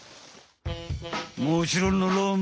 もちろんのろん！